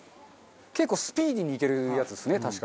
結構スピーディーにいけるやつですね確か。